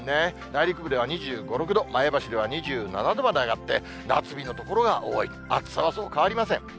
内陸部では２５、６度、前橋では２７度まで上がって、夏日の所が多い、暑さはそう変わりません。